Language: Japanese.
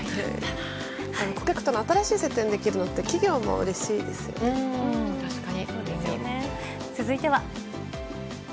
顧客との新しい接点ができるのは続いては。